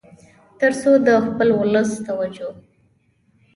تر څو د خپل ولس توجه